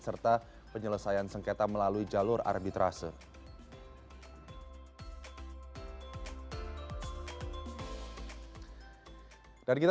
serta penyelesaian sengketa melalui jalur arbitrase